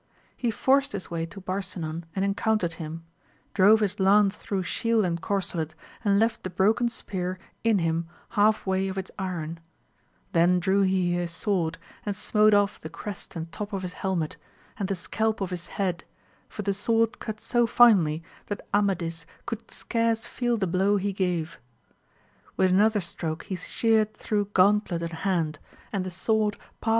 He forced his way to Barsinan and encountered him ; drove his lance through shield and corselet, and left the broken spear in him half way of its iron ; then drew he his sword, and smote crfF the crest and top of his helmet, and the scalp of his head, for the sword cut so finely that Amadis could scarce feel the blow he gave ; with another stroke be sheared thro* gauntlet and liand, axvd \Xi^ ^^ot^^^sssr ■•( 08 AMADIS OF GAUL.